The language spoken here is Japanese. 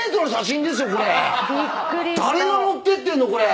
誰が持ってってんの⁉これ！